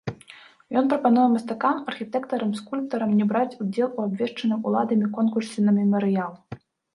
Ён прапануе мастакам, архітэктарам, скульптарам не браць удзел у абвешчаным уладамі конкурсе на мемарыял.